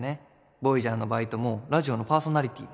ＶＯＹＡＧＥＲのバイトもラジオのパーソナリティーも。